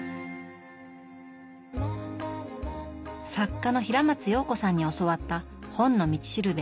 作家の平松洋子さんに教わった「本の道しるべ」。